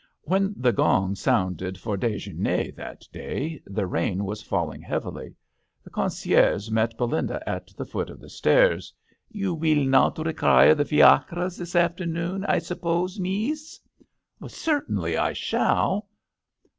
When the gong sounded for dSjeHner that day, the rain was falling heavily. The concierge met Belinda at the foot of the stairs : "You weel not require the fiacres this afternoon, I suppose, Mees." " Certainly, I shall."